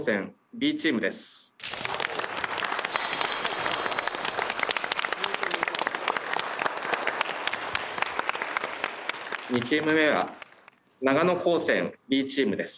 ２チーム目は長野高専Ｂチームです。